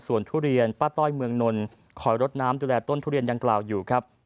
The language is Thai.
ส่วนทุเรียนป้าต้อยเมืองนลคอยรดน้ำดูแลต้นทุเรียนดังกล่าวอยู่ครับ